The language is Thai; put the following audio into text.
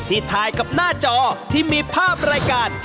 ถ่ายกับหน้าจอที่มีภาพรายการ